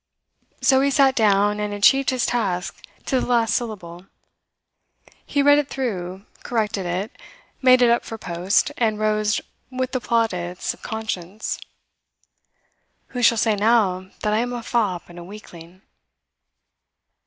So he sat down, and achieved his task to the last syllable. He read it through, corrected it, made it up for post, and rose with the plaudits of conscience. 'Who shall say now that I am a fop and a weakling?